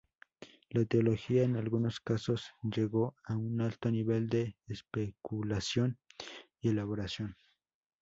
La teología en algunos casos llegó a un alto nivel de especulación y elaboración.